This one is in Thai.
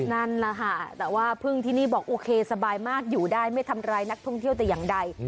นั่นแหละค่ะแต่ว่าพึ่งที่นี่บอกโอเคสบายมากอยู่ได้ไม่ทำร้ายนักท่องเที่ยวแต่อย่างใด